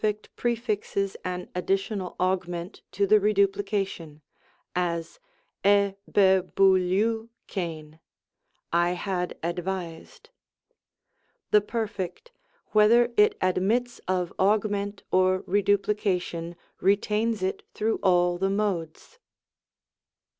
prefixes an additional Augment to the Reduplication ; as, i'^b'fiovXtV'XtcVy " I had advised." The Perfect, whether it admits of Augment or Re duplication, retains it through all the Modes.